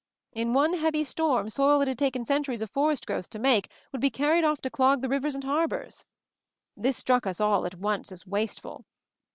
In one heavy storm soil that it had taken centuries of forest growth to make would be carried off to clog the livers and harbors. This struck us all at once as wasteful.